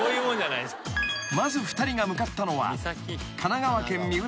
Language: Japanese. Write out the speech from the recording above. ［まず２人が向かったのは］